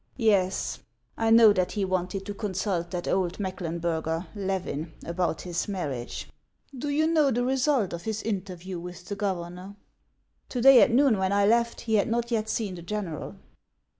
" Yes, I know that he wanted to consult that old Meck lenburger, Levin, about his marriage. Do you know the result of his interview with the governor ?" 168 HANS OF ICELAND. " To day at noon, when I left, he had not yet seen the general."